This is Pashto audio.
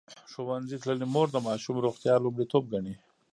ښوونځې تللې مور د ماشوم روغتیا لومړیتوب ګڼي.